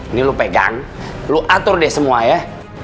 ini lo pegang lu atur deh semua ya